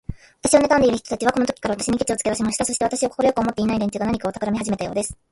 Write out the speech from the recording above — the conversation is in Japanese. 私をねたんでいる人たちは、このときから、私にケチをつけだしました。そして、私を快く思っていない連中が、何かたくらみをはじめたようです。